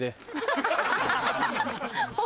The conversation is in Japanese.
ハハハ！